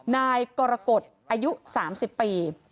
นายกรกฎอายุ๓๐ปี